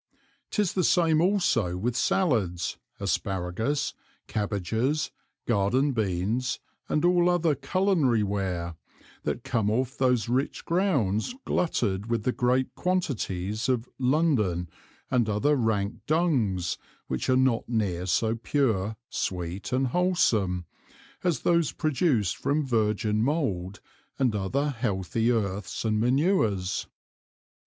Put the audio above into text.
'Tis the same also with salads, Asparagus, Cabbages, Garden beans and all other culinary Ware, that come off those rich Grounds glutted with the great quantities of London and other rank Dungs which are not near so pure, sweet and wholsome, as those produced from Virgin mould and other healthy Earths and Manures.